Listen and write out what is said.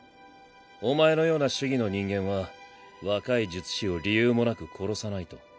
お前のような主義の人間は若い術師を理由もなく殺さないと。